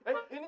ke atas turun